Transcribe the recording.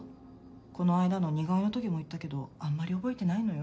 この間の似顔絵の時も言ったけどあんまり覚えてないのよ。